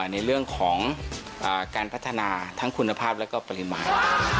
ในเรื่องของการพัฒนาทั้งคุณภาพและปริมาณ